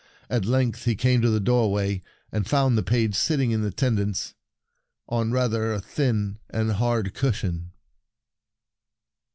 At length he came to the doorway, and found the page sitting in attendance on rather a thin and hard cushion.